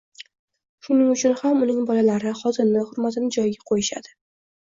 Shuning uchun ham uning bolalari, xotini hurmatini, joyiga quyishadi